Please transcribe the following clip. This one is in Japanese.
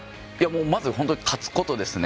まずは勝つことですね。